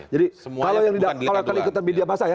jadi kalau yang ikutan bidia masa ya